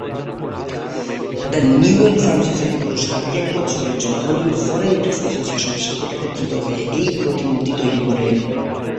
The New York film society পুরস্কার এক বছরের জন্য হলিউড ফরেন প্রেস অ্যাসোসিয়েশনের সাথে একত্রিত হয়ে এই প্রতিমূর্তি তৈরি করে।